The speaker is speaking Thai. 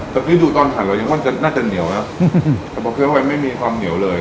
แต่พี่ดูตอนหันเรายังค่อนข้างน่าจะเหนียวเนอะครับผมเพราะว่าไม่มีความเหนียวเลย